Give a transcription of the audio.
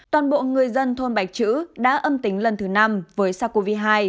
toàn bộ người dân thôn bạch chữ đã âm tính lần thứ năm với sars cov hai